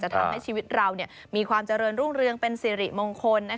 ทำให้ชีวิตเรามีความเจริญรุ่งเรืองเป็นสิริมงคล